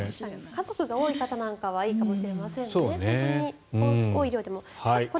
家族が多い方なんかはいいかもしれませんね多い量でも。